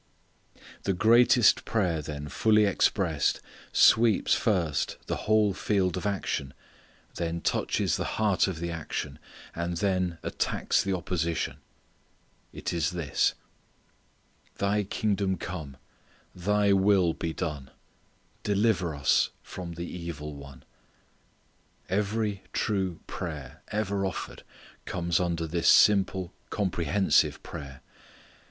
The greatest prayer then fully expressed, sweeps first the whole field of action, then touches the heart of the action, and then attacks the opposition. It is this: Thy kingdom come: Thy will be done: deliver us from the evil one. Every true prayer ever offered comes under this simple comprehensive prayer.